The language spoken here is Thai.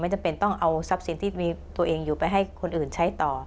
จำเป็นต้องเอาทรัพย์สินที่มีตัวเองอยู่ไปให้คนอื่นใช้ต่อ